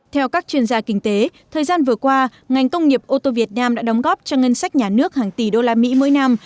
theo các chuyên gia kinh tế thời gian vừa qua ngành công nghiệp ô tô việt nam đã đóng góp cho ngân sách nhà nước hàng tỷ usd mỗi năm